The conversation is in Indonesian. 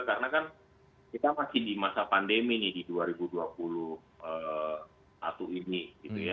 karena kan kita masih di masa pandemi nih di dua ribu dua puluh satu ini